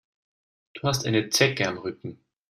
Du hast eine Zecke am Rücken.